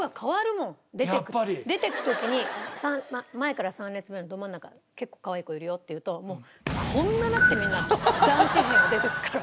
やっぱり？出ていく時に「前から３列目のど真ん中結構かわいい子いるよ」って言うとこんななってみんな男子陣は出ていくから。